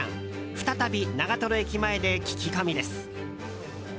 再び長瀞駅前で聞き込みです。